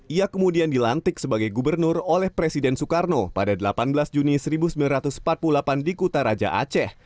ia kemudian dilantik sebagai gubernur oleh presiden soekarno pada delapan belas juni seribu sembilan ratus empat puluh delapan di kutaraja aceh